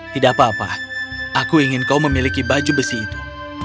tidak apa apa aku ingin kau memiliki baju besi itu